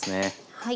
はい。